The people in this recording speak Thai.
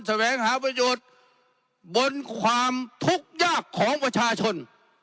แสวงหาประโยชน์